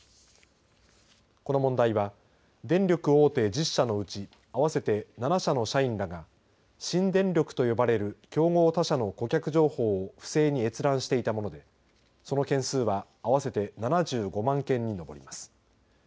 この問題は電力大手１０社のうち合わせて７社の社員らが新電力と呼ばれる競合他社の顧客情報を不正に閲覧していたものでその件数は合わせて７５万件に上ります。